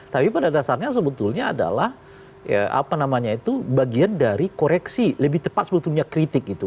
tapi pada dasarnya sebetulnya adalah bagian dari koreksi lebih tepat sebetulnya kritik gitu